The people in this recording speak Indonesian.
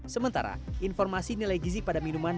sementara informasi nilai gizi pada minuman